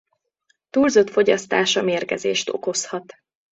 Túlzott fogyasztása mérgezést okozhat.